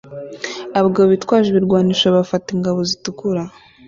Abagabo bitwaje ibirwanisho bafata ingabo zitukura